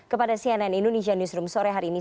kepada cnn indonesia newsroom sore hari ini